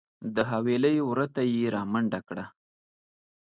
د حویلۍ وره ته یې رامنډه کړه .